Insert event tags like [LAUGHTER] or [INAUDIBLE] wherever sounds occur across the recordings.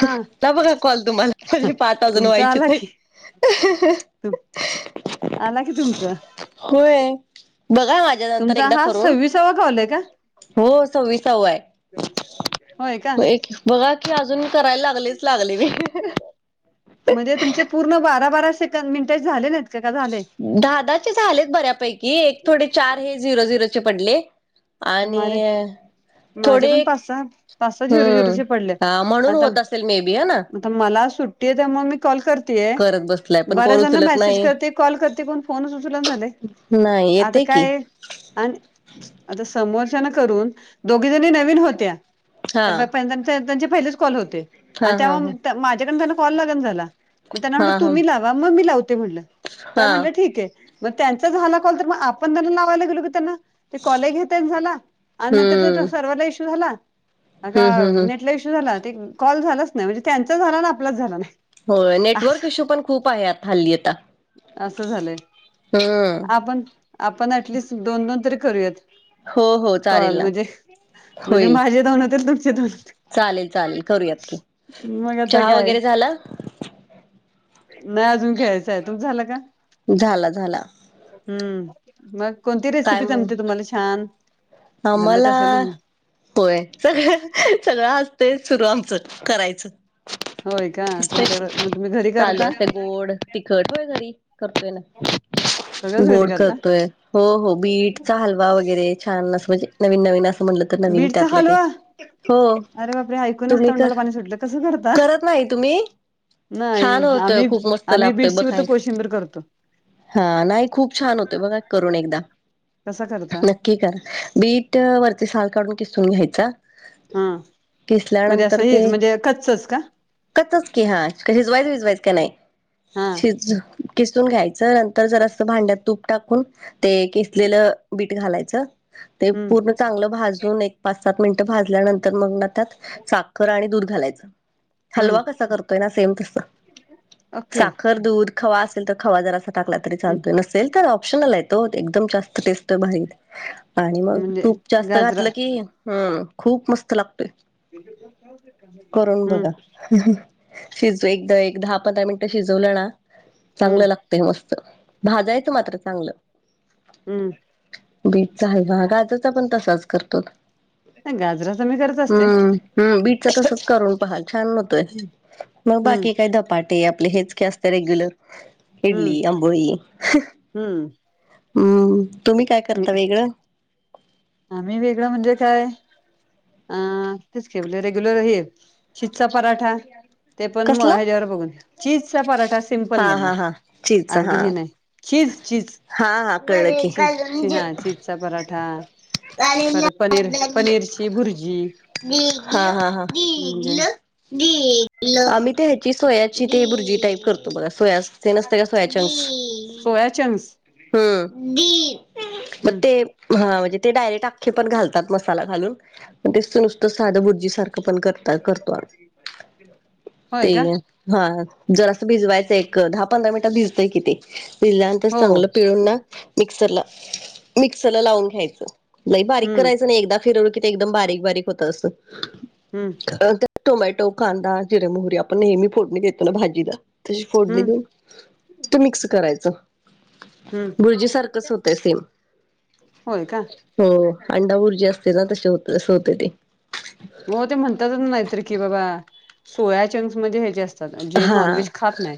हा ह बघा कॉल तुम्हाला म्हणे पाच अजून तुमचा व्हायचीच आला आहेत की क तुमचं होय बघा माझ्या नंतर तुमचा एकदा हा करून सव्वीसावा कॉल आहे का हो सविसावा आहे, होय का एक बघा की अजून करायला लागलेच लागली मी म्हणजे तुमचे पूर्ण बारा बारा सेक- मिनिटे झाले नाहीत का, का झाले? दहादाचे झालेच बऱ्यापैकी एक थोडे चार हे झिरो - झिरोचे पडले आणि मारे माझे थोडे पण पाच सहा पाच सहा झिरो झिरोचे पडले अं म्हणून आता होत असेल मे बी ह ना मला सुट्टी आहे त्यामुळ मी कॉल करतेय. करत बसलाय पण बरेच कोण जणना उचलत मेसेज नाही. करते, कॉल करते, कोण फोनच उचल ना झाले. नाही येते की, आणि आता समोरच्यान करून दोघी जणी नवीन होत्या. हा तर प त्यांचे पहिलेच कॉल होते हा आणि हा हा त्या माझ्याकड त्यांना कॉल लागन झाला मग त्यांना हा म्हटलं हा तुम्ही लावा, मग मी लावते म्हटलं त्या हा म्हटलं ठीक आहे. मग त्यांचा झाला कॉल तर मग आपण त्यांना लावायला गेलो की त्यांना ते कॉलही घेत तेन झाला आणि त्याचा हम्म सर्व्हर इशु झाला आग हम्म हम्म हम्म नेट झाला कॉल झालाच नाही, म्हणजे त्यांचा झाला ना आपलाच झाला नाही. हो नेटवर्क इश्यू पण खूप आहे आता हल्ली आता असं असं झालंय हम्म आपण आपण अॅटलिस्ट दोन - दोन तरी करूयात. हो हो चालेल कॉल ना म्हणजे म्हणजे होईल माझे दोन होत्यात तुमचे दोन होत्यात. चालेल चालेल करूयात की मग आता चहा काय? वगैरे झाला नाही अजून घ्यायचं आहे, तुमचा झाला का? झाला झाला हम्म, मग कोणती काय रेसिपी मग जमते तुम्हाला छान? जमत आम्हाला असेल ना म्हण होय सगळं, सगळं असते सुरू आमचं करायचं. होय का तुमच्याकडे मग तुम्ही घरी चालू करता अस गोड तिखट घरी करतोय ना सगळंच घरी गोड करता करतोय हो हो बीटचा हलवा वगैरे छान असं म्हणजे नवीन नवीन असं म्हणलं तर नवीन बीटचा त्यातलं ते हलवा हो अरे बापरे ऐकूनच तुम्ही कर, तोंडाला पाणी सुटलं कसं करता करत नाही तुम्ही? नाही छान होतोय, आम्ही खूप मस्त आम्ही लागतोय बीटची बघा फक्त एक कोशिंबीर करतो हा नाही खूप छान होते बघा करून एकदा कसा करता [UNINTELLIGIBLE] की कर बीट वरती साल काढून किसून घ्यायचा हम्म म्हणजे किसल्यानंतर असं हेच म्हणजे कच्चच का? कच्चाच की हा शिजवाय बिजवायचं का नाही. हा शिजु किसून घ्यायचं नंतर जर असं भांड्यात तूप टाकून ते कीसलेलं बीट घालायचं. ते हम्म पूर्ण चांगलं भाजून एक पाच सात मिनिटं भाजल्यानंतर मग साखर आणि दूध घालायचं हम्म हलवा कसा करतोय ना सेम तस ओके साखर दूध खवा असेल तर खवा जरासा टाकला तरी हम्म चालतो नसेल तर ऑप्शनल आहेत हो एकदम जास्त टेस्ट भा आणि मग म्हणजे तूप जास्त गाजरा घातलं की हम्म खूप मस्त लागतोय. हम्म. शिज एकदा एक दहा पंधरा मिनिटं शिजवलं ना हम्म चांगलं लाग ते मस्त भाजायचं मात्र चांगलं. हम्म. झालबा गाजरचा पण तसाच करतो. नाही गाजरात हम्म हम्म बीटच तसच करून पहाल छान होतोय. मग हम्म बाकी काय धपाट ते आपले हेच का असत रेग्युलर इडली आंबोळी हम्म हम्म तुम्ही काय करता हम्म वेगळं. आम्ही वेगळं म्हणजे काय? अ तेच आपलं रेग्युलर हे चिचा पराठा. ते पण मग कसला? ह्याच्यावर बघून चीजचा पराठा सिमपल हा मधला हा हा चीच अगदी हे नाही चीज चीज. हा हा कळखी [UNINTELLIGIBLE] चीज हा चीजचा पराठा परत पनीर पनीरची भुर्जी [UNINTELLIGIBLE] हा हा हा. म्हणजे आम्ही ते ह्याची सोयाची ते भुरजी टाईप करतो बघा सोया ते नसते का सोया चंन्कस सोया चंक्स हम्म म हम्म ते हा म्हणजे ते डायरेक्टखे पण घलतात मसाला घालून तेत नुसतं साधं भुर्जीसार ते पण करता करतो होय ते. का हा जर असं भिजवायचं एक दहा पंधरा मिनिटं भिजतंय कि ते. दिल्यानंतर हो चांगलं पिळून ना मिक्सरला मिक्सरला लावून घ्यायचं. नाही बारीक हम्म करायचं नाही एकदा फिरवळू कि ते एकदम बारीक बारीक होत असतं. हम्म. टोमॅटो कांदा जिरे मोहरी आपण नेहमी फोडणी देतो ना भाजीला तशी फोडणी हम्म देऊन ते मिक्स करायचं. हम्म भुर्जी सारखंच होतंय सेम. होय का हो अंडा ऊर्जा असते ना तशे होते तस होते ते. हो ते म्हणतातच नाहीतर की बाबा सोया चंक्स मध्ये हे जास्त जे नॉन हा. व्हेज खात नाही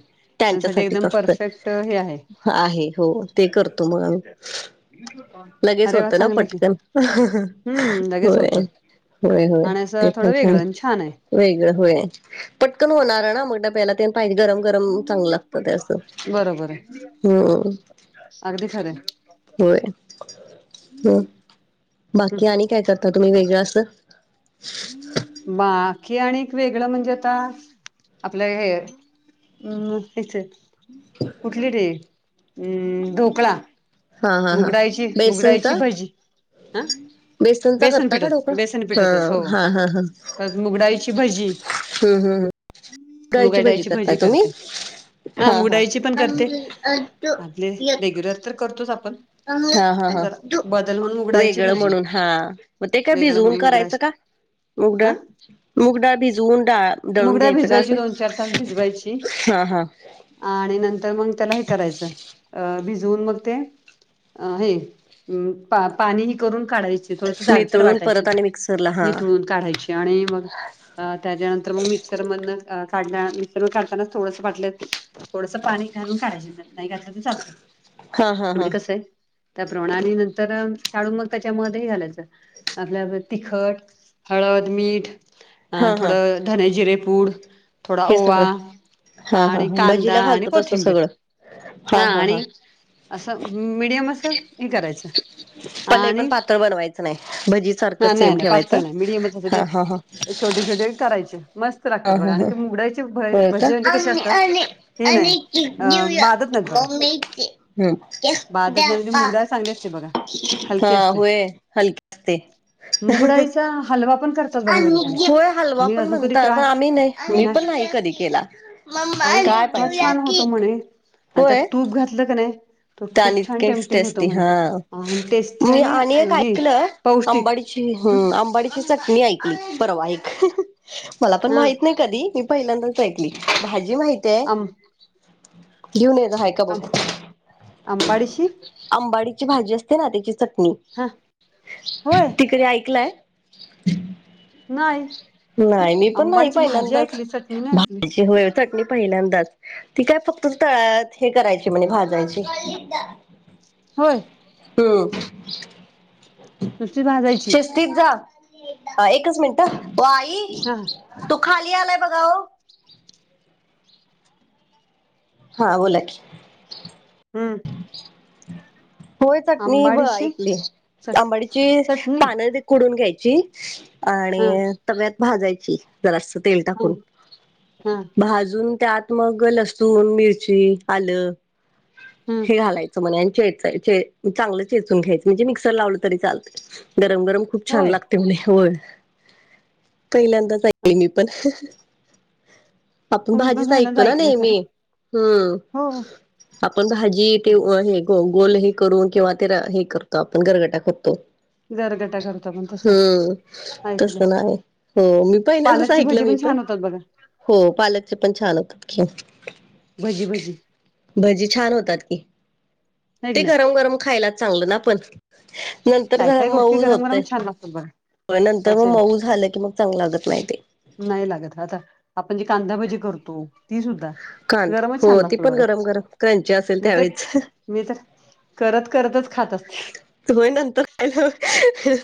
त्यांसाठी त्यांच्यासाठीच एकदम असतं परफेक्ट हे आहे. आहे हो ते करतो मग आम्ही. [UNINTELLIGIBLE] लगेच वा होतो ना चांगलं की पटकन [UNINTELLIGIBLE] हम्म लगेच होय. होतं होय होय आणि असं ते थोडं पण वेगळं छान. आणि आहे होय ग होय पटकन होणारा ना मग डब्याला त्या पाहिजे गरम गरम चांगलं लागत ते अस बरोबर आहे हो. अगदी खरं ये. होय. हम्म हं. बाकी आणि काय करता तुम्ही वेगळं अस. बाकी आणिक वेगळं म्हणजे आता आपलं हे हमं हेच कुठली रे हं ढोकळा हा हा हा मुगडाळीची मुगडाळीची बेसनचा भजी हा बेसनचा बेसन करता का पीठत बेसन ढोकळा पीठतस हा हो हा हा हा परत मुगडाळीची भजी हम्म हम्म हम्म डाळीची भाजी मुगाच्याडाळीची भजी करताय तुम्ही करते. हा मुगडाळीची पण करते आपले रेग्युलर तर करतोच आपण हा हा पण हा जरा बदल म्हणून उघडायची वेगळं भजी म्हणून हा मग ते काय वेगळं भिजवून म्हणून करायचं उघडायची का? हा मुगडाळ मुगडाळ भिजवून डा दळून मुगडा घ्यायचं का भिजवायची असं? दोन चार तास भिजवायची हा हा आणि नंतर मग त्याला हे करायचं अ भिजवून मग ते अ हे पा पाणी ही करून काढायचे थोडस जाडसर नितळून वाटायची परत आणि मिक्सरला हा काढायची आणि मग अ त्याच्यानंतर मग मिक्सर मधनं मिक्सर म काढतानाच थोडंस वाटलं थोडस पाणी घालून काढायची नाही घातलं तर चालतं हा हा हा म्हणजे कसंय त्या प्रणानं नंतर काढून मग त्याच्या मधे घालायचं आपल्या तिखट हळद, मीठ, अ हा हा थोडं धने जिरे पूड थोडा हे ओवा सगळं हा हा आणि हा कांदा भजीला आणि घालतो तसं कोथिंबीर सगळं हा आणि असं मीडियम असं हे करायचं पण हे पण आणि पातळ बनवायचं नाही भजी हा सारखंच नाही सेम नाही ठेवायचं पातळ नाही मीडियमच असं ते हा हा हं छोटे छोटे करायचे मस्त लागतात हं बघा आणि हं ते मुगडायचे भ हो का भजे म्हणजे कसे आम्ही असतात हे अ नाही अ घेऊया बाधत नाहीत बघा बाधत नाही म्हणजे [UNINTELLIGIBLE] मुगडाळ चांगली असते [UNINTELLIGIBLE] [INAUDIBLE] बघा हा हलकी असते होय हलकी असते मुगडाळीचा हलवा पण करतात बघा बरेच जण होय हलवा मी पण अजून कधी म्हणता पण ट्राय आम्ही नाही मी पण नाही कधी केला. मंम्मा [UNINTELLIGIBLE] काय पाहीजे? आता तूप घातलं कनाय त खूप त्यानी छान इतकेच टेम्प्टिंग होतं टेस्टी हा म्हणे टेस्टी मी आणि एक हे ऐकलं पौष्टिक आंबाडीची ह हम्म, आंबाडीची चटणी ऐकली परवा एक मला पण हा माहित नाही कधी मी पहिल्यांदाच ऐकली भाजी माहिती आहे आम घेऊन येजा हाय का बघू अंबाडीची? आंबाडीची भाजी असते ना त्याची चटणी हा होय तिकडे ऐकलाय? नाही नाही मी पण नाही आंबाडीची भाजी पहिल्यांदाच ऐकली चटणी नाही ऐकली भाजची वळ [UNINTELLIGIBLE] चटणी पहिल्यांदाच ती काय फक्त तळत हे करायची म्हणे भाजायचीच होय हम नुसती भाजायची? पिझ्झा? एकच मिनटं आ वो आई हा तो खाली आलाय बघा ओ हा बोला की हम् होय चटणी ब आंबाडीची ऐकली चट आंबाडीची चटणी पानं खुडून घ्यायची हा आणि तव्यात भाजायची जरासं तेल हा टाकून हा भाजून त्यात मग लसूण, मिरची, आलं हम्म च घ म्हण मम खूप छान होय लागते म्हणे हो पहिल्यांदाचईल मी अच्छा पण आपण तुम्ही पण भाजीच पहिल्यांदा ऐकतो ना ऐकलंय नेहमी खरं हम्म हो आपण भाजी ते हे गोल हे करून किंवा ते हे करतो आपण घरगटा खतो गरगटा करतो पण तसं हम्म तस ऐकलंय नाही हो मी पहिल्यांदच ऐकलं मी पण बघ हो पालकचे पण छान होतात कि भाजी बजी भजी छान होतात की नाही की ते नाही गरम गरम खायलाच चांगलं ना पण नंतर काय झा काय गोष्टी मऊ गरम गरम होतय छान लागतात बघा प नंतर मग त्याचे मऊ झालं की मग चांग लागत नाही ते नाही लागत आता आपण जे कांदा पाजे करतो ती सुद्धा कांद गरमच हो छान ती लागतो पण बघा गरम गरम क्रंची असेल मी तर त्यावेळेच मी तर करत करतच खातच होय नंतर रालं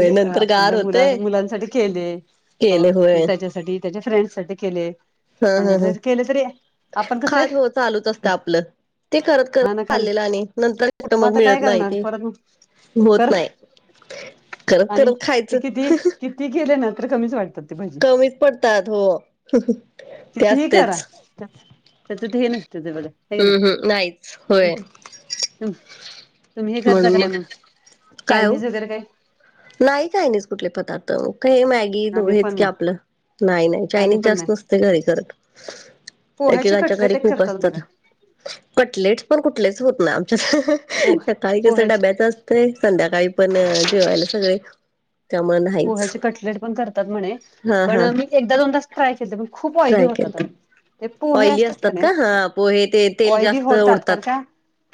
म्हणजे समजा मुला मुलांसाठी केले केले होय त्याच्यासाठी त्याच्या फ्रेंडसाठीठी केले हा हा हा कोणासाठी केले तरी आपण कसे खात हो चालूच असत आपलं ते करत करत खाणं खाणं चाललेलं आणि नंतरट मग आता काय मिळत नाही करणार ते परत होत नाही परत खत करत खायचं ती केल्या ना तर कमीच वाटतात ते भजी कमीच पडतात हो ते असतेच सतते न असतते बला हम्म हम् नाहीच होय तुम्ही हे करता का नाही मग काय हो चायनीज वगैरे काय नाही काय नाहीस कुठले पदार्थ मग हे मॅगी आम्ही पण नाही आप नाही आम्ही नाही पण चास्त नाही नते घरी पोह्याचे एकेकांच्या घरी कटलेट एक खूप करतात असतात बघा पटलेट पण कुठलेच होत ना आमच्या पोह सकाळी कस पोह्याचे डब्याच ते संध्याकाळी पण जेवायला सगळे त्यामुळे नाहीच पोह्याचे कटलेट पण करतात म्हणे हा पण हा मी एकदा, दोनदाच ट्राय केलं, पण खूप ऑइली ट्राय होतात. केलत ते पूहे ऑइली असतात असतने का हा पोहे ते तेल ओयब जास्त हो तात करल ओढतात का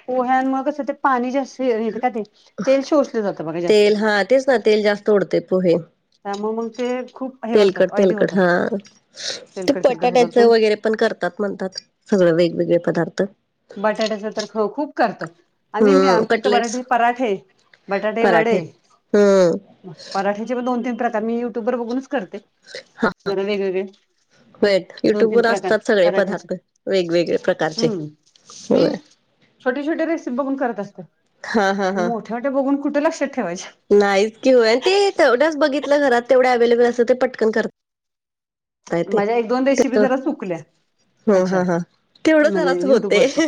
पोह्यांमुळे कसं ते पाणी जास्त येते का ते तेल शोषलं जातं बघा जास्त तेल हा तेच तेल जास्त उडते पोहे त्यामुळे मग ते खूप हे तेलकट होतात ऑइली तेलकट होतात हा ते तेलकट तेलकट होतात पटाट्याचं वगैरे पण करतात म्हणतात सगळं वेगवेगळे पदार्थ बटाट्याच तर ख खूप करतात आम्ही मी हम्म फक्त कटलेट्स बराटे पराखे बटाटे पराठे वडे हम्म पराठ्याचे प दोन तीन प्रकार मी युट्युब वर बघूनच करते जना वेगवेगळे वेट दोन युट्यूब तीन वर प्रकार असतात सगळे पराठ्याचे पदार्थ वेगवेगळे प्रकारचे हम्म मी होय छोटे छोटे रेसि बघून करत असते हा हा मोठ ेवटे बघून कुठे लक्षात ठेवायं नाहीत कि होय ते तेवढ्याच बघितलं घरात तेवढ्या अव्लेबल असं ते पटकन करत माझ्या एक दोन रेसिपी जरा चुकल्या हो ह्याच्या हा हा तेवढं म्हणजे सारच होते युट्यूबवरच्या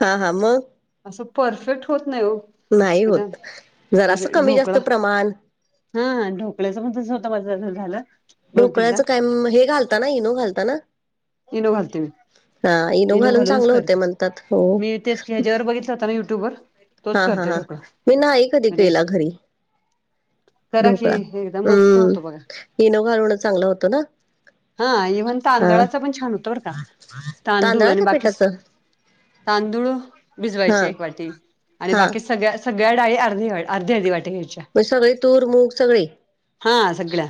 हा हा मग असं परफेक्ट होत नाही हो नाही एकदम होत जरा असं म्हणजे कमी जास्त ढोकळा प्रमाण हा ढोकळ्याच पण तसं होतं माझा झालं दोन तीनदा ढोकळ्याचं काय हे घालताना हिनो घालताना इनोवालु मी इनू घालून घालूनच चांगलं होते करते म्हणतात हो मी तेच की ह्याच्या्यावर बघितलं होता ना युट्यूब वर हा हा हा मी नाही कधी केला घरी करा की ढोकळा एकदम मस्त हम्म होतो बघा इनो घालुणं चांगलं होतं ना. हा इव्हन हा तांदळाचा पण छान होतो का तांदूळ आणि तांदळाच्या बाकी. पिठाच तांदूळ हा भिजवायचे एक वाटी आणि हा बाकी सगळ्या. सग्याडाई अर्ध अर् अधी वाटे घ्यायची. मग सगळी तूर मूग सगळी हा सगळ्या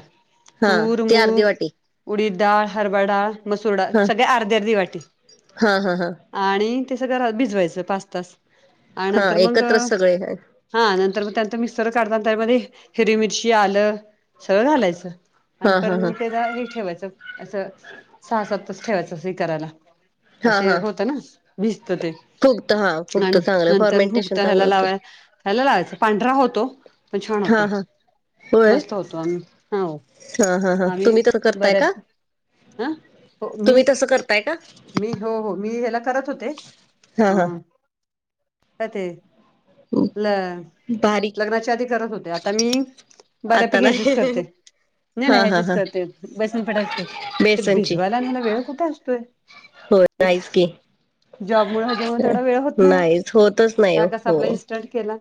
हा तूर ती अर्धी मूग वाटी उडीद डाळ हरवा डाळ मसूरडाळ हा सग्या अर्ध्या अर्धी वाटी हा हा हा. आणि ते सगळं भिजवायचं पाच तास आणि हा नंतर मग एकत्रच सगळे हा हा नंतर मग त्यानंतर मिक्सर काढत त्यामध्ये हिररी मिरची आलं सगळं घालायचं. आणि हा पर हा मग तेला हे ठेवायचं असं सहा सात तास ठेवायचं असं हे करायला हा असे हा होतं ना भजत ते फुगत हा फुगत आणि चांगलं नंतर भुकत फॉर्मेंटेशन चांगलं ह्याला होतं लावाय ह्यायला लावायच पांढरा होतो. पछाणोतो. हा हा होय मस्त होतो आम्ही हो हा हा हा आम्ही तुम्ही तसं करताय बऱ्या. का ह हो मी तुम्ही तसं करताय का मी हो हो मी ह्याला करत होतो. ते हा हा हम क ल भारी लग्नाच्या आधी करत होते आता मी आता बऱ्यापैकी ह्याचीच नाही करते नाही हा नाही हा ह्याचीच हा करते बेसन पिठा ते बेसनची भिजवायला आणि झाला वेळ कुठे असतोय. हो एक नाहीच की जॉब मुळ ह्याच्यामुळे तेवढा वेळ होत नाही ओ. नाहीच होतच नाही हा कसा हो. आपला इन्स्टंट केला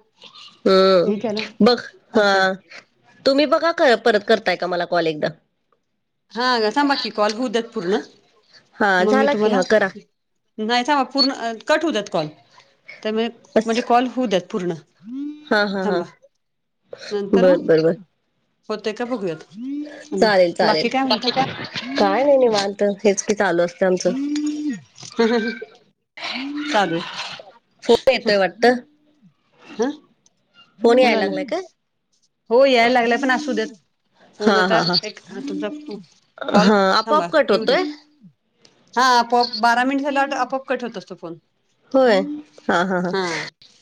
हे हम् केला बघ हा. असं तुम्ही बघा कर परत करताय का मला कॉल एकदा हा सां बाकी कॉल होऊ द्या पूर्ण हा मग मी झाला की तुम्हाला हा करा नाही स पूर्ण कट होतात कॉल तर बस म्हणजे कॉल होऊ देत पूर्ण हा हा हा. थांबा नंतर बर मग बर बर होते का बघूयात. बाकी काय म्हणताय चालेलकी काय नाही नाही वालत हेच की चालू असतं आमचं चालेू आहे. फोट येतोय वाटत. म्हणाला लागलाय काय हो यायला लागला पण असू द्या. हा फोन आता हा हा एक तुमचा कॉल हा थांबा आपोआप कट येऊ द्या. होतोय हा आपोप बारा मिनिट झा आपोप कट होत असतो फोन होय हा हा ह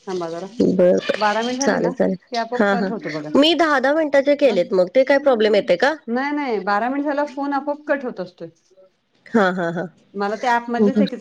थांबा जरा बरोर बारा मिनिट झाले चालेल ना चालेल की आपोआप हा हा. कट होतो बघा मी दहा दहा मिनिटाचे केलेत मग ते काय प्रॉब्लेम येते का? नाही नाही बारा मिनिट झाला फोन आपआप कट होत असतोय. हा हा मला त्या ऍप हा मधलेचच